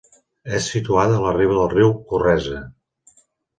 És situada a la riba del riu Corresa.